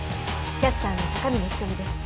キャスターの高峰仁美です。